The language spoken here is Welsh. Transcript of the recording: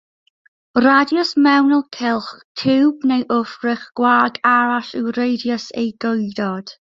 Radiws mewnol cylch, tiwb neu wrthrych gwag arall yw radiws ei geudod.